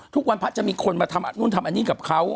ทุกวันพระจะมีคนมาทำนู่นทำอันนี้กับเขา